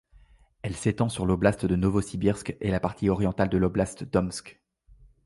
Elle s'étend sur l'oblast de Novossibirsk et la partie orientale de l'oblast d'Omsk.